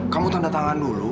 kamu tanda tangan dulu